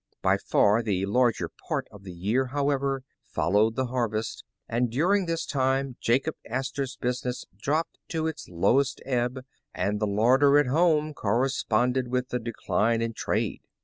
By far the larger part of the year, however, followed the harvest, and during this time Jacob Astor's business dropped to its lowest ebb, and the larder at home cor responded with the decline in trade.